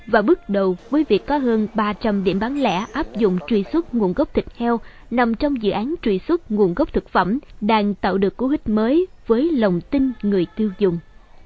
và bước đầu với việc có hơn ba trăm linh điểm bán lẻ áp dụng truy xuất nguồn gốc thịt heo nằm trong dự án truy xuất nguồn gốc thực phẩm đang tạo được cú hích mới với lòng tin người tiêu dùng